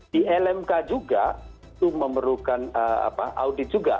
di lmk juga itu memerlukan audit juga